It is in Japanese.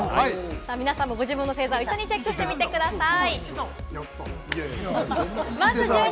皆さんも一緒にご自分の星座をチェックしてみてください。